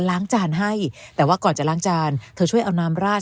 ล้างจานให้แต่ว่าก่อนจะล้างจานเธอช่วยเอาน้ำราด